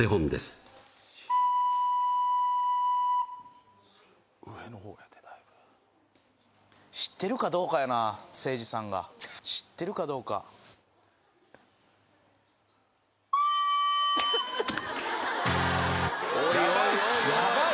今の知ってるかどうかやなせいじさんが知ってるかどうかおいおい